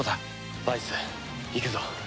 バイスいくぞ。